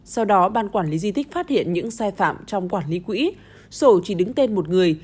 sau đó ban quản lý di tích phát hiện những sai phạm trong quản lý quỹ sổ chỉ đứng tên một người